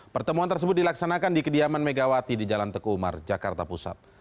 pertemuan tersebut dilaksanakan di kediaman megawati di jalan teku umar jakarta pusat